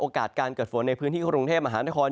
การเกิดฝนในพื้นที่กรุงเทพมหานคร